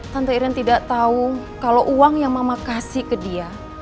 tante irin tidak tahu kalau uang yang mama kasih ke dia